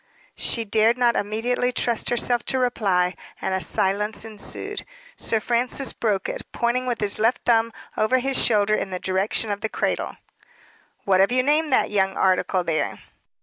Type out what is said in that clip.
She dared not immediately trust herself to reply, and a silence ensued. Sir Francis broke it, pointing with his left thumb over his shoulder in the direction of the cradle. "What have you named that young article there?"